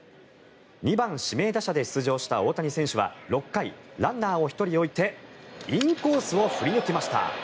２番指名打者で出場した大谷選手は６回、ランナーを１人置いてインコースを振り抜きました。